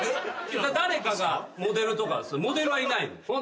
誰かがモデルとかモデルはいない。